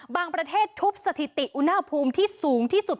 ประเทศทุบสถิติอุณหภูมิที่สูงที่สุด